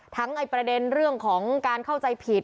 ประเด็นเรื่องของการเข้าใจผิด